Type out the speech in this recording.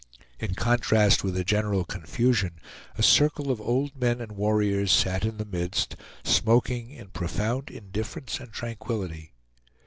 In contrast with the general confusion, a circle of old men and warriors sat in the midst, smoking in profound indifference and tranquillity.